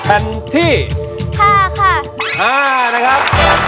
แผ่นที่๕ค่ะ๕นะครับ